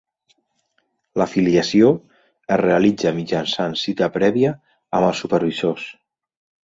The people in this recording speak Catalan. L'afiliació es realitza mitjançant cita prèvia amb els supervisors.